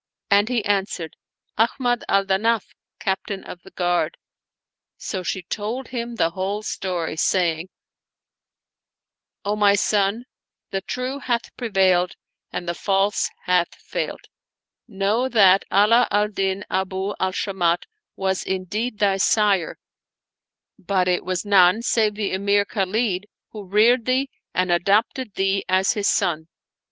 and he answered, "Ahmad al Danaf, Captain of the Guard." So she told him the whole story, saying, " O my son, the True hath prevailed and the False hath failed: know that Ala al Din Abu al Shamat was indeed thy sire, but it was none save the Emir Khalid who reared thee and adopted thee as his son.